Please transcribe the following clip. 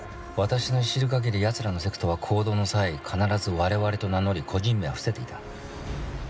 私の知る限り奴らのセクトは行動の際必ず「我々」と名乗り個人名は伏せていた。